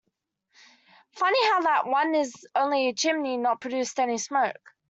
Funny how that one is the only chimney not producing any smoke.